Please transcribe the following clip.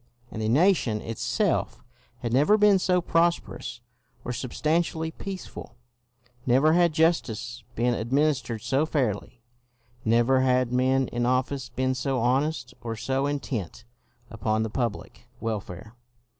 And the nation itself had never been so prosperous or substan tially peaceful; never had justice been ad ministered so fairly; never had men in office been so honest or so intent upon the public welfare.